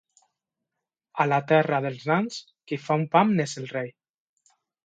A la terra dels nans, qui fa un pam n'és el rei.